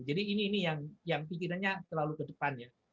jadi ini yang pikirannya terlalu ke depannya